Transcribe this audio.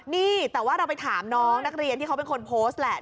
นี่แต่ว่าเราไปถามน้องนักเรียนที่เขาเป็นคนโพสต์แหละ